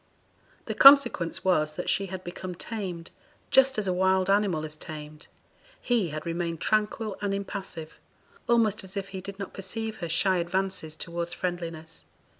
The consequence was that she had become tamed, just as a wild animal is tamed; he had remained tranquil and impassive, almost as if he did not perceive her shy advances towards friendliness.